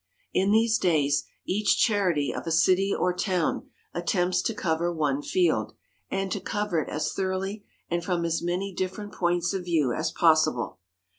In these days, each charity of a city or town attempts to cover one field, and to cover it as thoroughly and from as many different points of view as possible.